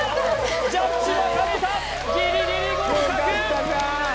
ジャッジ分かれたギリギリ合格！